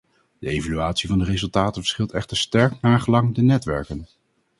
De evaluatie van de resultaten verschilt echter sterk naargelang de netwerken.